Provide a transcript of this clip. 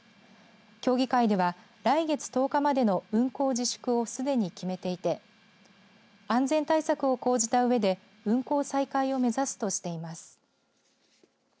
協議会では来月１０日までの運航自粛をすでに決めていて安全対策を講じたうえで運航再開を目指すとしています。